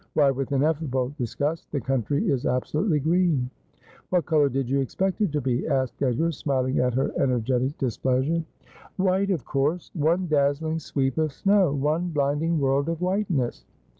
Why,' with ineffable dis gust, ' the country is absolutely green !'' What colour did you expect it to be ?' asked Edgar, smiling at her energetic displeasure. ' White, of course ! One dazzling sweep of snow. One blind ing world of whiteness.'